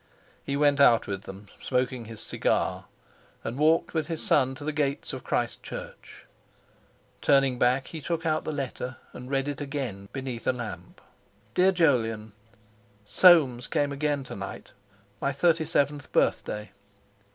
He went out with them, smoking his cigar, and walked with his son to the gates of Christ Church. Turning back, he took out the letter and read it again beneath a lamp. "DEAR JOLYON, "Soames came again to night—my thirty seventh birthday.